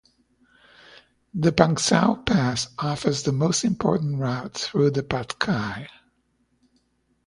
The Pangsau Pass offers the most important route through the Patkai.